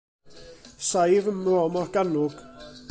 Saif ym Mro Morgannwg.